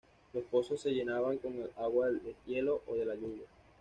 Los pozos se llenaban con el agua del deshielo o de la lluvia.